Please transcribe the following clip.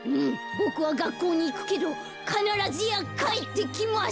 ボクはがっこうにいくけどかならずやかえってきます！